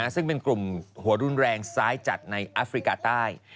ซึ่งเป็นกลุ่มหัวรุนแรงซ้ายจัดในแอฟริกาใต้